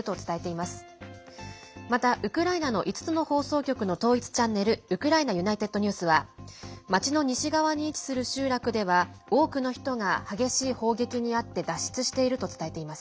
また、ウクライナの５つの放送局の統一チャンネルウクライナＵｎｉｔｅｄＮｅｗｓは町の西側に位置する集落では多くの人が激しい砲撃に遭って脱出していると伝えています。